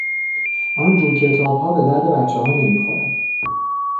آنجور کتابها به درد بچهها نمیخورد.